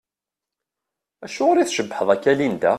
Acuɣeṛ i tcebbḥeḍ akka a Linda?